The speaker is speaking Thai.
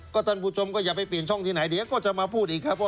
ท่านผู้ชมก็อย่าไปเปลี่ยนช่องที่ไหนเดี๋ยวก็จะมาพูดอีกครับ